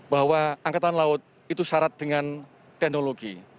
bahwa angkatan laut itu syarat dengan teknologi